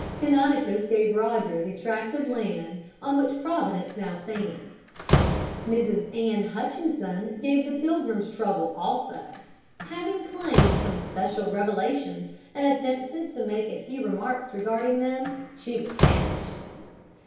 Canonicus gave Roger the tract of land on which Providence now stands. [Illustration: Injuns!!!] Mrs. Anne Hutchinson gave the Pilgrims trouble also. Having claimed some special revelations and attempted to make a few remarks regarding them, she was banished.